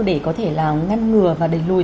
để có thể là ngăn ngừa và đẩy lùi